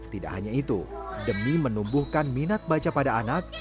tidak hanya itu demi menumbuhkan minat baca pada anak